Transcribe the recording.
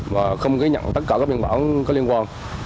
và không ghi nhận tất cả các biên bản có liên quan